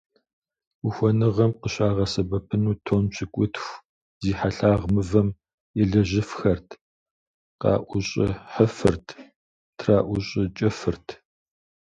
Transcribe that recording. Ухуэныгъэм къыщагъэсэбэпыну тонн пщыкӏутху зи хьэлъагъ мывэм елэжьыфхэрт, къаӏущӏыхьыфырт, траӏущӏыкӏыфырт.